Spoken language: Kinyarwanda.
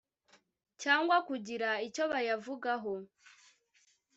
cyangwa kugira icyo bayavugaho